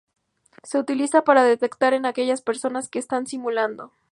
Se utiliza para detectar a aquellas personas que están simulando.